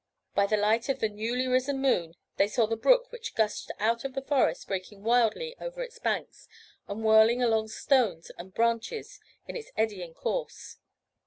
By the light of the newly risen moon, they saw the brook which gushed out of the forest breaking wildly over its banks, and whirling along stones and branches in its eddying course.